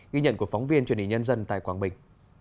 ghi nhận của phóng viên truyền hình nhân dân tại quảng bình